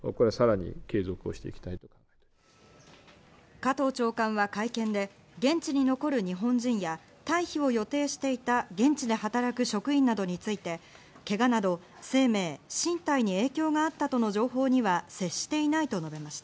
加藤長官は会見で現地に残る日本人や、退避を予定していた現地で働く職員などについて、けがなど生命、身体に影響があったとの情報には接していないと述べました。